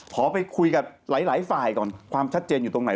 ขอไปคุยกับหลายฝ่ายก่อนความชัดเจนอยู่ตรงไหน